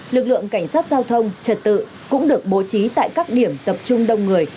lực lượng cảnh sát giao thông trật tự cũng được bố trí tại các điểm tập trung đông người